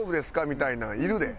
みたいなんいるで。